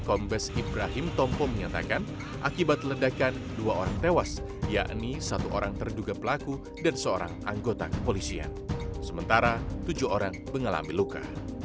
tujuh orang mengalami luka